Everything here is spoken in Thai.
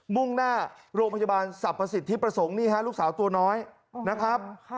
มุ่งหน้าโรงพยาบาลสรรพสิทธิประสงค์นี่ฮะลูกสาวตัวน้อยนะครับ